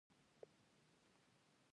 په ځینو سیمو کې ډېر ګڼ او پراخ څنګلونه لري.